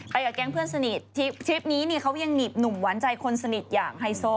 กับแก๊งเพื่อนสนิททริปนี้นี่เขายังหนีบหนุ่มหวานใจคนสนิทอย่างไฮโซ